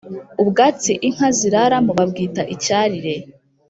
Ubwatsi Inka ziraramo babwita icyarire